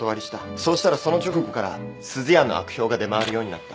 そうしたらその直後からすずやの悪評が出回るようになった。